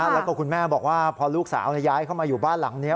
แล้วก็คุณแม่บอกว่าพอลูกสาวย้ายเข้ามาอยู่บ้านหลังนี้